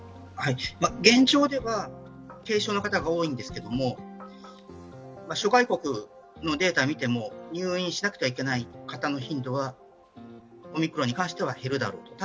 現状では軽症の方が多いんですけれども、諸外国のデータ見ても、入院しなくてはいけない方の頻度はオミクロンに関しては減るだろう。